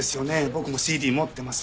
僕もＣＤ持ってます。